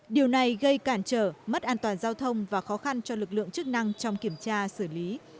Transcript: điều này gây cản trở mất an toàn giao thông và khó khăn cho lực lượng chức năng trong kiểm tra xử lý